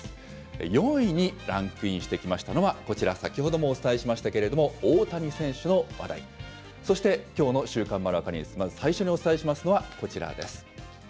４位にランクインしてきましたのは、こちら、先ほどもお伝えしましたけれども、大谷選手の話題、そしてきょうの週刊まるわかりニュース、まず最初にお伝えしますのは、こちらです。